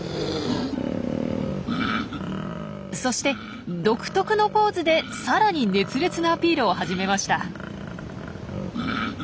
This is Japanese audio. そして独特のポーズでさらに熱烈なアピールを始めました。